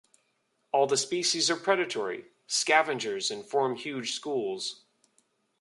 All the species are predatory, scavengers and form huge schools.